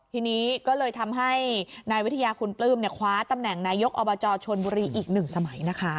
ทีนี้ก็เลยทำให้นายวิทยาคุณปลื้มคว้าตำแหน่งนายกอบจชนบุรีอีกหนึ่งสมัยนะคะ